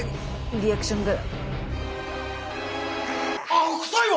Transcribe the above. リアクションが。